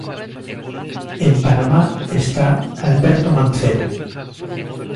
En Panamá está Alberto Mancebo.